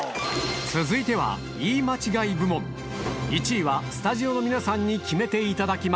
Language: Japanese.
続いては１位はスタジオの皆さんに決めていただきます